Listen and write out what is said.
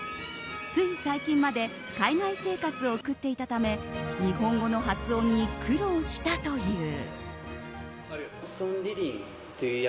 つい最近まで海外生活を送っていたため日本語の発音に苦労したという。